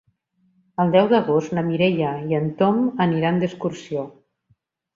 El deu d'agost na Mireia i en Tom aniran d'excursió.